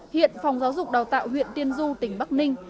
hiện phòng giáo dục đào tạo huyện tiên du tỉnh bắc ninh